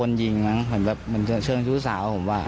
ภัยหญิงไปไปคบกับคนยิงเหมือนแบบเซื่องชู่สาวอ่ะผมว่า